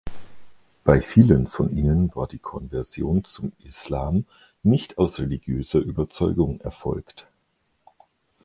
Bei vielen von ihnen war die Konversion zum Islam nicht aus religiöser Überzeugung erfolgt.